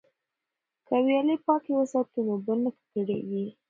که ویالې پاکې وساتو نو اوبه نه ککړیږي.